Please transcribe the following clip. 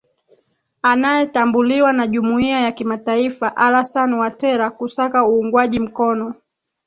anayetambuliwa na jumuiya ya kimataifa alasan watera kusaka uungwaji mkono